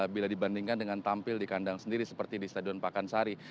bila dibandingkan dengan tampil di kandang sendiri seperti di stadion pakansari